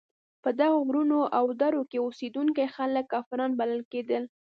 په دغو غرونو او درو کې اوسېدونکي خلک کافران بلل کېدل.